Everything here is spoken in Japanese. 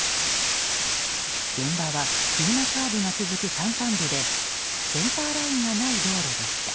現場は急なカーブが続く山間部でセンターラインがない道路でした。